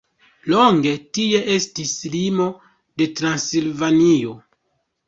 Longe tie estis limo de Transilvanio.